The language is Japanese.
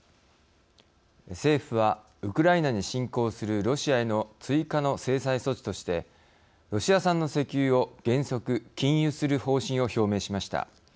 政府はウクライナに侵攻するロシアへの追加の制裁措置としてロシア産の石油を原則禁輸する方針を表明しました。